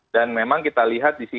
dan memang kita lihat di situ